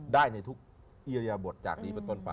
ได้ในทุกอิริยบทจากนี้ไปต้นไป